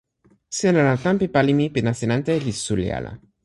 sina la tan pi pali mi pi nasin ante li suli ala.